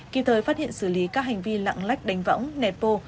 kịp thời phát hiện xử lý các hành vi lặng lách đánh võng nẹt vô